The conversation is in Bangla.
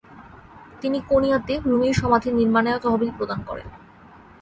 তিনি কোনিয়াতে রুমির সমাধি নির্মানে তহবিল প্রদান করেন।